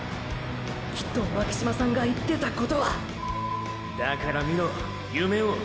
きっと巻島さんが言ってたことはだから見ろ夢を。